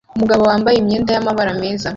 Umugabo wambaye imyenda yamabara meza